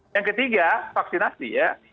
yang ketiga vaksinasi ya